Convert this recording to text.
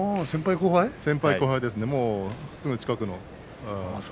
先輩後輩です、すぐ近くの。